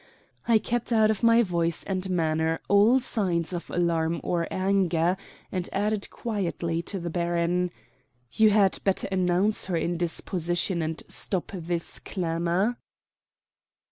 I kept out of my voice and manner all signs of alarm or anger, and added quietly to the baron, "You had better announce her indisposition, and stop this clamor."